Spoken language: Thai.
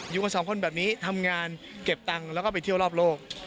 อยู่กันสองคนแบบนี้ทำงานเก็บตังค์แล้วก็ไปเที่ยวรอบโลก